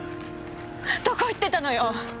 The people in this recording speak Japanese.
どこ行ってたのよ？